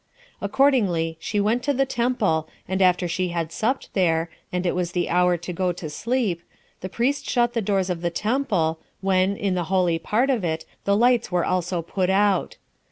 Accordingly, she went to the temple, and after she had supped there, and it was the hour to go to sleep, the priest shut the doors of the temple, when, in the holy part of it, the lights were also put out.